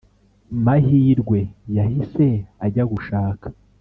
mahirwe, yahise ajya gushaka